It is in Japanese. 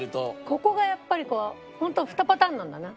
ここがやっぱりホント２パターンなんだな。